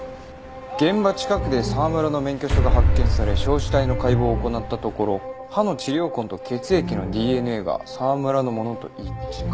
現場近くで沢村の免許証が発見され焼死体の解剖を行ったところ歯の治療痕と血液のＤＮＡが沢村のものと一致か。